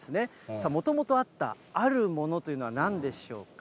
さあ、もともとあったあるものというのはなんでしょうか。